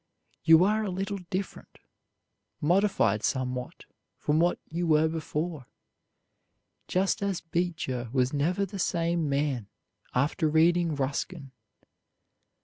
You are a little different, modified somewhat from what you were before, just as Beecher was never the same man after reading Ruskin.